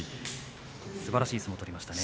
すばらしい相撲を取りましたね。